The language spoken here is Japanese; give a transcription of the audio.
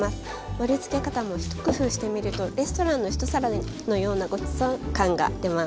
盛りつけ方も一工夫してみるとレストランの一皿のようなごちそう感が出ます。